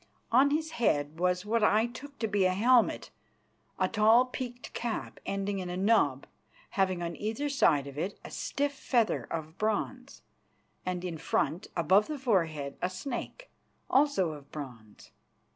On his head was what I took to be a helmet, a tall peaked cap ending in a knob, having on either side of it a stiff feather of bronze, and in front, above the forehead, a snake, also of bronze.